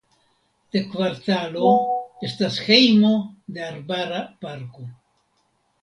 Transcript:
Le kvartalo estas hejmo de arbara parko.